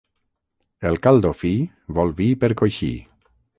El caldo fi, vol vi per coixí.